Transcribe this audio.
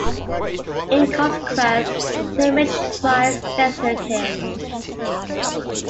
In consequence, Lamech's wives desert him.